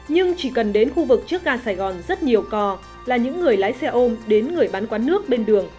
nhưng chỉ cần đến khu vực trước ga sài gòn rất nhiều cò là những người lái xe ôm đến người bán quán nước bên đường